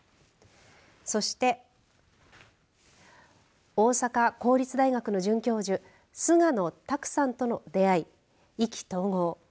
そして大阪公立大学の准教授菅野拓さんと出会い意気投合。